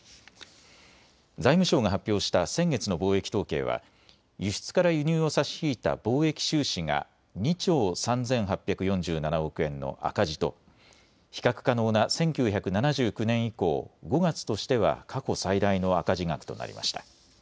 財務省が発表した先月の貿易統計は輸出から輸入を差し引いた貿易収支が２兆３８４７億円の赤字と比較可能な１９７９年以降５月としては過去最大の赤字額となりました。